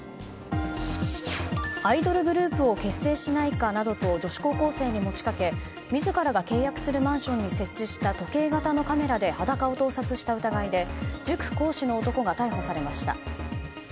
アイドルグループを結成しないかなどと女子高校生に持ちかけ自らが契約するマンションに設置した時計型のカメラで裸を盗撮した疑いで塾講師の男が逮捕されました。